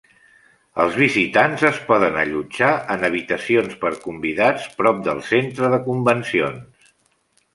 Els visitants es poden allotjar en habitacions per convidats prop del centre de convencions.